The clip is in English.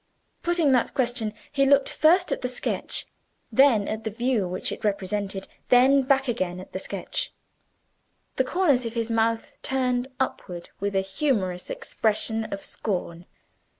Putting that question, he looked first at the sketch then at the view which it represented then back again at the sketch. The corners of his mouth turned upward with a humorous expression of scorn.